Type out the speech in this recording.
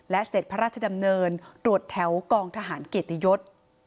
และเสร็จพระราชดำเนินตรวจแถวกองทหารเกียรติยศ